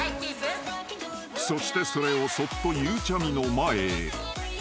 ［そしてそれをそっとゆうちゃみの前へ］